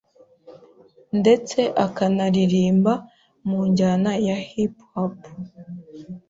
ndetse akanaririmba mu njyana ya Hip Hop